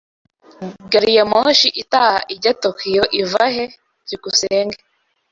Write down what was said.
Gari ya moshi itaha ijya Tokiyo ivahe? byukusenge